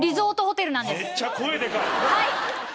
はい！